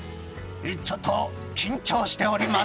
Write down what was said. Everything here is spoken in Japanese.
ちょっと緊張しております。